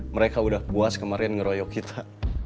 mereka udah puas kemarin ngeroyok kita